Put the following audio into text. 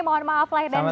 mohon maaf lahir dan batin